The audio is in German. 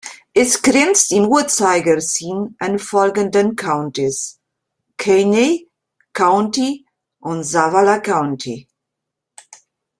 Es grenzt im Uhrzeigersinn an folgende Countys: Kinney County und Zavala County.